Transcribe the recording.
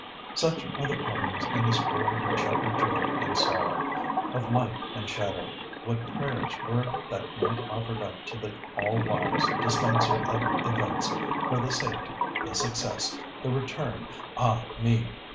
Such are the partings in this world of chequered joy and sorrow—of light and shadow. What prayers were that night offered up to the All wise Dispenser of events for the safety, the success, the return—ah, me!